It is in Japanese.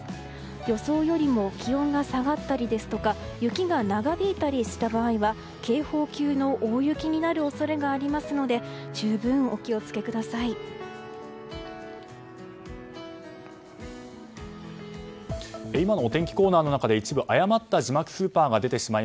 予想よりも気温が下がったり雪が長引いたりした場合は警報級の大雪になる恐れがありますので十分お気を付けください。